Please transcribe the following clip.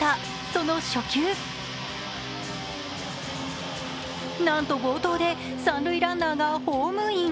その初球なんと暴投で三塁ランナーがホームイン。